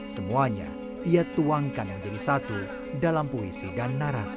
semuanya ia tuangkan menjadi satu dalam puisi dan narasi